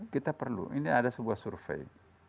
kita perlu ini ada sebuah survei